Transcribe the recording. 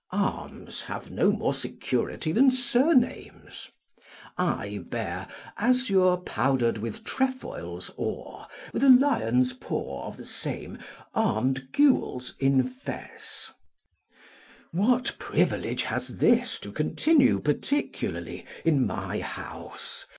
Arms have no more security than surnames. I bear azure powdered with trefoils or, with a lion's paw of the same armed gules in fesse. What privilege has this to continue particularly in my house?